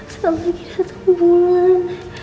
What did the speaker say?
saya lagi satu bulan